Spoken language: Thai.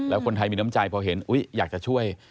แล้วคนไทยมีน้ำใจพอเห็นอยากจะช่วย